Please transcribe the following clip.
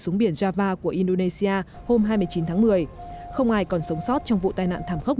xuống biển java của indonesia hôm hai mươi chín tháng một mươi không ai còn sống sót trong vụ tai nạn thảm khốc